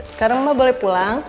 sekarang mbak boleh pulang